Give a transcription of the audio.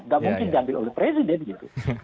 gak mungkin diambil oleh presiden gitu